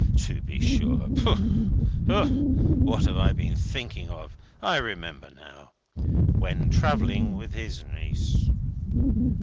To be sure! pooh pooh, what have I been thinking of! I remember now; 'when travelling with his niece.'"